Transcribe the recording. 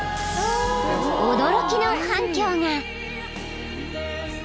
［驚きの反響が］